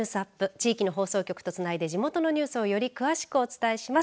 地域の放送局とつないで地元のニュースをより詳しくお伝えします。